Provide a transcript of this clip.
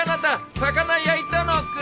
魚焼いたのをくれ。